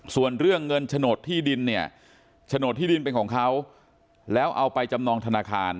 ส่วนเรื่องเงินโฉนดที่ดินเนี่ยโฉนดที่ดินเป็นของเขาแล้วเอาไปจำนองธนาคาร